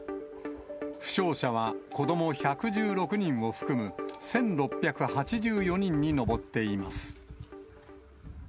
負傷者は子ども１１６人を含む１６８４人に上っています。